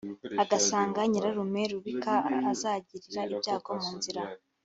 agasanga nyirarume Rubika azagirira ibyago mu nzira